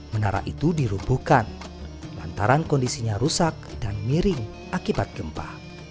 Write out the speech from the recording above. menara itu dirupuhkan lantaran kondisinya rusak dan miring akibat gempa